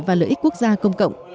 và lợi ích quốc gia công cộng